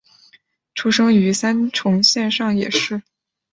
出生于三重县上野市。